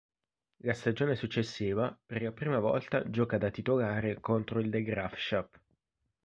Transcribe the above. La stagione successiva, per la prima volta gioca da titolare contro il De Graafschap.